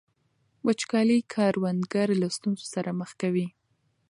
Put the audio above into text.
وچکالي کروندګر له ستونزو سره مخ کوي.